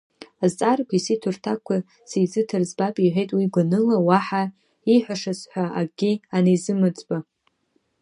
Азҵаарақәа исиҭо, рҭакқәа сызиҭар збап иҳәеит уи гәаныла, уаҳа ииҳәашаз ҳәа акгьы анизымыӡба.